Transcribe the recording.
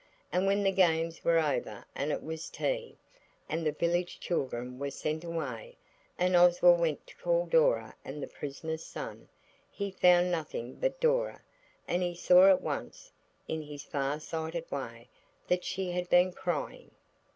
And when the games were over and it was tea, and the village children were sent away, and Oswald went to call Dora and the prisoner's son, he found nothing but Dora, and he saw at once, in his far sighted way, that she had been crying.